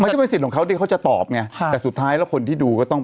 ก็เป็นสิทธิ์ของเขาที่เขาจะตอบไงค่ะแต่สุดท้ายแล้วคนที่ดูก็ต้อง